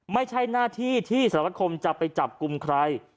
ไม่ใช่หน้าที่ที่สารวัคคมจะไปจับกลุ่มใคร